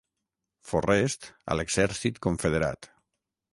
Forrest a l'exèrcit confederat.